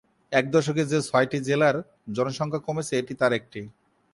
এক দশকে যে ছয়টি জেলার জনসংখ্যা কমেছে এটি তার একটি।